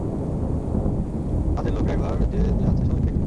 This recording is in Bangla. কাজের লোক, ড্রাইভার, যে যে আছে সবাইকে ডেকে আনো।